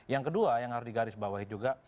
yang kedua yang harus digarisbawahi juga